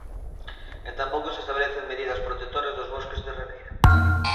E tampouco se establecen medidas protectoras dos bosques de ribeira.